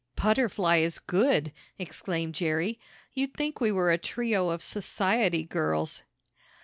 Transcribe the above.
"Butterfly is good!" exclaimed Jerry. "You'd think we were a trio of society girls."